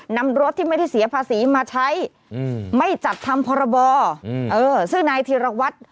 นำรถที่ไม่ได้เสียภาษีมาใช้ไม่จัดทำพรบซึ่งนายธีรวัตร